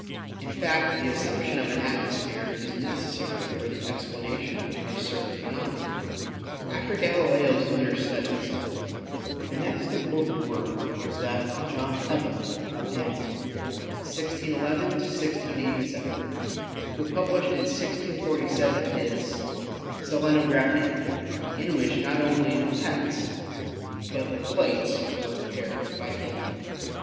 In fact, the assump tion of an atmosphere is necessary for the explanation of certain phenomena. After Galileo's lunar studies the next important work was that of John Hevel, of Danzig (1611 1687), who pub lished in 1647 ms Selenographia, in which not only the text but the plates were prepared by him.